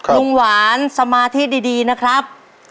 ลุงหวานสมาธิดีนะครับ